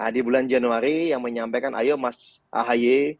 di bulan januari yang menyampaikan ayo mas ahy